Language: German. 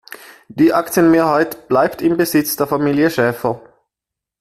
Die Aktienmehrheit bleibt im Besitz der Familie Schäfer.